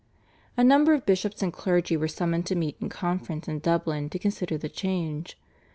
A number of bishops and clergy were summoned to meet in conference in Dublin to consider the change.